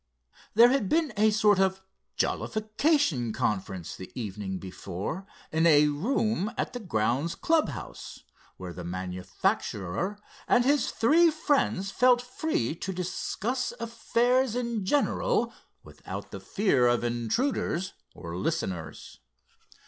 There had been a sort of jollification conference the evening before in a room at the grounds clubhouse, where the manufacturer and his three friends felt free to discuss affairs in general without the fear of intruders or listeners.